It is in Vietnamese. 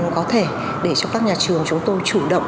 nó có thể để cho các nhà trường chúng tôi chủ động